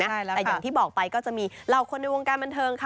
แต่อย่างที่บอกไปก็จะมีเหล่าคนในวงการบันเทิงค่ะ